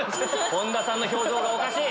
本田さんの表情がおかしい。